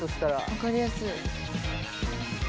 分かりやすい。